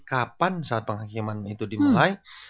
kapan saat penghakiman itu dimulai